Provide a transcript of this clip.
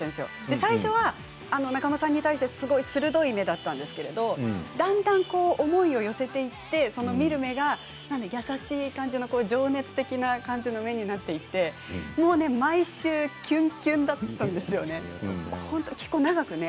最初は仲間さんに対して鋭い目だったんですけどだんだん思いを寄せていって見る目が優しい感じの情熱的な感じの目になっていってもうね、毎週きゅんきゅんだったんですよね。